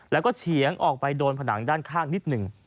แล้วก็เฉียงออกไปโดนผนังด้านข้างนิดหนึ่ง